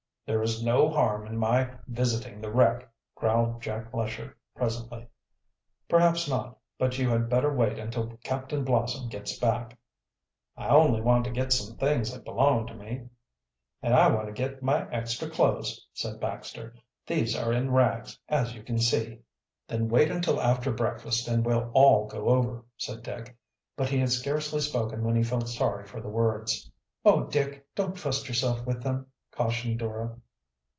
"There is no harm in my visiting the wreck," growled Jack Lesher presently. "Perhaps not, but you had better wait until Captain Blossom gets back." "I only want to get some things that belong to me." "And I want to get my extra clothes," said Baxter. "These are in rags, as you can see." "Then wait until after breakfast and we'll all go over," said Dick, but he had scarcely spoken when he felt sorry for the words. "Oh, Dick, don't trust yourself with them!" cautioned Dora.